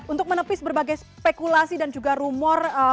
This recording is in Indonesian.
untuk menepis berbagai spekulasi dan juga rumor